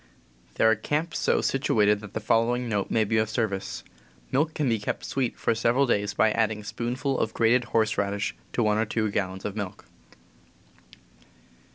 There are camps so , situated that the following note may be of service :<;_^ Milk can be kept sweet for several days by adding a spoonful of grated horse radish to one or two gallons of milk}.